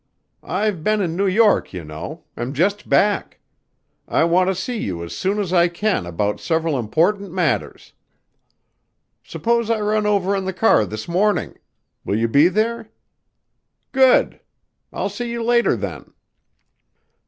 I've been in New York, you know am just back. I want to see you as soon as I can about several important matters. Suppose I run over in the car this morning? Will you be there? Good! I'll see you later, then."